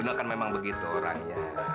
beliau kan memang begitu orangnya